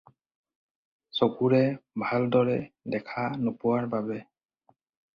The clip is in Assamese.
চকুৰে ভালদৰে দেখা নোপোৱাৰ বাবে।